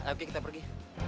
oke kita pergi